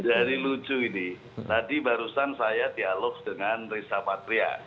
jadi lucu ini tadi barusan saya dialog dengan risa patria